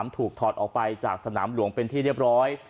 ถอดออกไปจากสนามหลวงเป็นที่เรียบร้อย